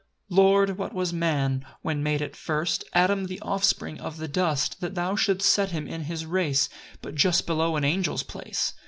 1 Lord, what was man, when made at first, Adam the offspring of the dust, That thou shouldst set him and his race But just below an angel's place?